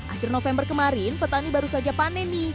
akhir november kemarin petani baru saja paneni